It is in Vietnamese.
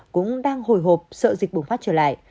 cũng đang hồi hộp sợ dịch bùng phát trở lại